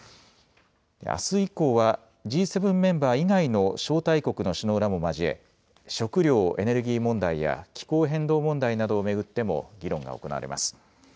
あす以降はＧ７メンバー以外の招待国の首脳らも交え、食料・エネルギー問題や気候変動問題などを巡っても議論が行われます。